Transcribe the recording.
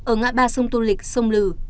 ở ngã ba sông tô lịch sông lừ